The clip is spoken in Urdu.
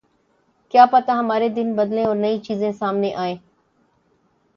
کیا پتا ہمارے دن بدلیں اور نئی چیزیں سامنے آئیں۔